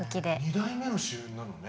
２代目の主演なのね。